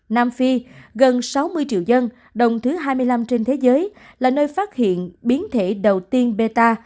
nam phi gần sáu mươi triệu dân đồng thứ hai mươi năm trên thế giới là nơi phát hiện biến thể đầu tiên beta